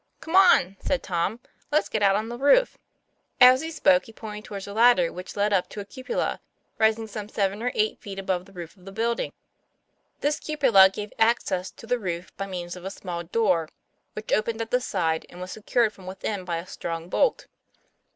" Come on," said Tom, " let's get out on the roof." As he spoke, he pointed toward a ladder which led g6 TOM PLA YFAIR. up to a cupola, rising some seven or eight feet above the roof of the building. This cupola gave access to the roof by means of a small door, which opened at the side and was secured from within by a strong bolt.